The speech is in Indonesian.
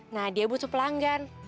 nah dia butuh pelanggan